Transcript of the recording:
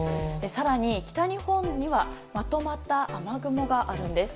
更に、北日本にはまとまった雨雲があるんです。